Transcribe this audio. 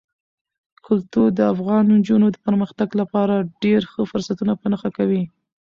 کلتور د افغان نجونو د پرمختګ لپاره ډېر ښه فرصتونه په نښه کوي.